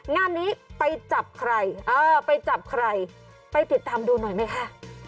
งานนี้ไปจับใครเออไปจับใครไปติดตามดูหน่อยไหมคะ